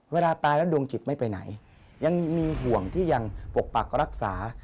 เวลาตายแล้วดวงจิตไม่ไปไหนยังมีห่วงที่ยังปกปักรักษา